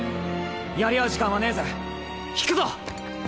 やり合う時間はねえぜひくぞ！